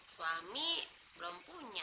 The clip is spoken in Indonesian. suami belum punya